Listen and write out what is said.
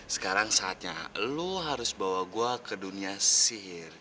sekarang saatnya lo harus bawa gue ke dunia sihir